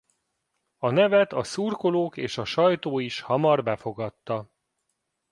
A nevet a szurkolók és a sajtó is hamar befogadta.